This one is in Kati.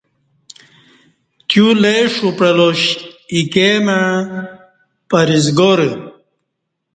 تیو لے ݜو پعلاش ایکے مع پرہیزگارہ